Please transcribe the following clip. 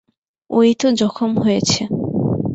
ও-ই তো জখম হয়েছে।